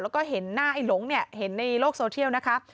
แล้วก็เห็นหน้าไอ้หลงเนี่ยเห็นในโลกโซเทียลนะคะ